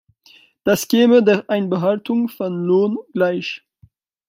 Das käme der Einbehaltung von Lohn gleich.